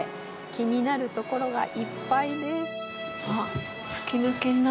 気になるところがいっぱいです。